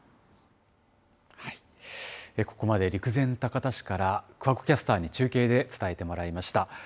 ここまで、陸前高田市から桑子キャスターに中継で伝えてもらいました。